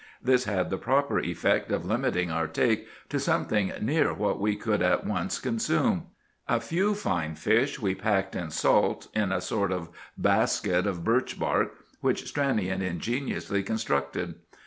This had the proper effect of limiting our take to something near what we could at once consume. A few fine fish we packed in salt, in a sort of basket of birch bark which Stranion ingeniously constructed.